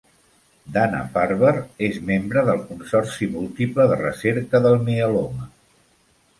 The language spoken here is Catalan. Dana-Farber és membre del Consorci múltiple de recerca del mieloma.